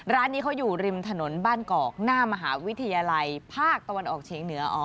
ร้านนี้เขาอยู่ริมถนนบ้านกอกหน้ามหาวิทยาลัยภาคตะวันออกเฉียงเหนือ